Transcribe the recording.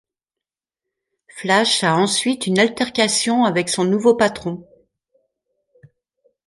Flash a ensuite une altercation avec son nouveau patron.